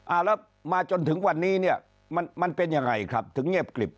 แล้วมาจนถึงวันนี้เนี่ยมันมันเป็นยังไงครับถึงเงียบกลิบ